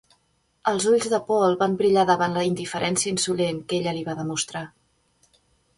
Els ulls de Paul van brillar davant la indiferència insolent que ella li va demostrar.